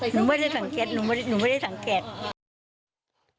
หนูไม่ได้สังเกต